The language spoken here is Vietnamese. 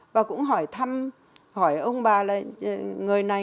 và cũng hỏi thăm hỏi ông bà là người này người khác